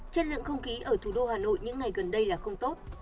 chất lượng không khí ở thủ đô hà nội những ngày gần đây là không tốt